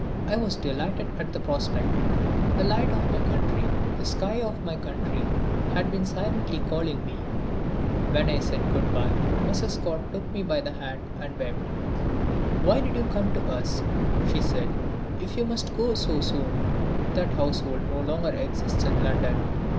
I was delighted at the prospect. The light of my country, the sky of my country, had been silently calling me. When I said good bye Mrs. Scott took me by the hand and wept. "Why did you come to us," she said, "if you must go so soon?" That household no longer exists in London.